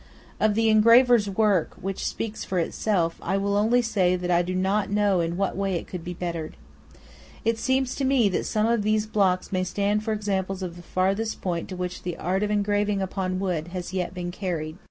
Of the engraver's work – which speaks for itself – I will only say that I do not know in what way it could be bettered. It seems to me that some of these blocks may stand for examples of the farthest point to which the art of engraving upon wood has yet been carried.